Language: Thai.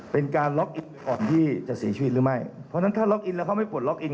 เพราะฉะนั้นถ้าล็อกอินแล้วเขาไม่ปลดล็อกอิน